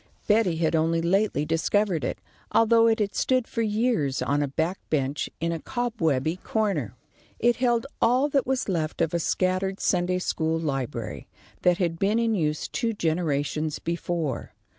Betty had only lately discovered it, although it had stood for years on a back bench in a cobwebby corner. It held all that was left of a scattered Sunday school library, that had been in use two generations before.